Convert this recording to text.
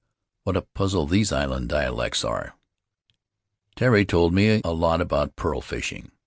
What a puzzle these island dialects are! ' Tairi told me a lot about pearl fishing.